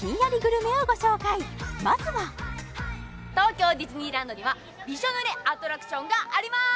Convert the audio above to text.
まずは東京ディズニーランドにはびしょ濡れアトラクションがあります！